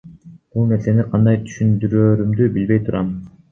Бул нерсени кандай түшүндүрөөрүмдү билбей турам.